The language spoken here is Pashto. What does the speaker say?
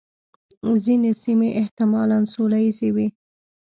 ځینې سیمې احتمالاً سوله ییزې وې.